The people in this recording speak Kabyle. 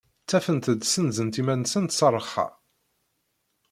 Ttafent-d senzent iman-nsent s rrxa.